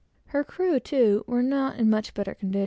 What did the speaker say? Her crew, too, were not in much better order.